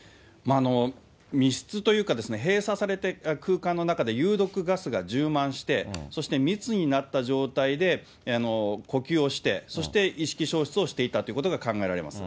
密室というかですね、閉鎖された空間の中で有毒ガスが充満して、そして密になった状態で呼吸をして、そして意識消失をしていたということが考えられますね。